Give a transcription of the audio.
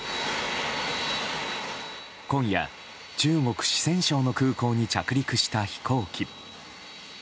今夜、中国・四川省の空港に着陸した飛行機。